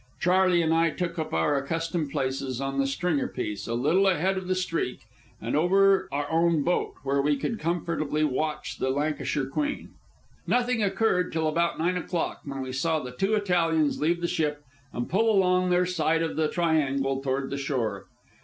Charley and I took up our accustomed places, on the stringer piece, a little ahead of the Streak and over our own boat, where we could comfortably watch the Lancashire Queen. Nothing occurred till about nine o'clock, when we saw the two Italians leave the ship and pull along their side of the triangle toward the shore.